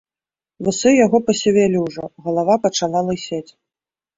Вусы яго пасівелі ўжо, галава пачала лысець.